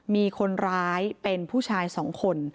มีคนร้ายเป็นผู้ชาย๒คน